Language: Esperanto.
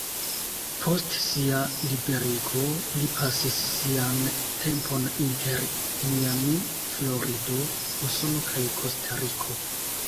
Post sia liberigo, li pasis sian tempon inter Miami, Florido, Usono kaj Kostariko.